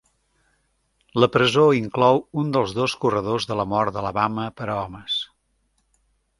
La presó inclou un dels dos corredors de la mort d'Alabama per a homes.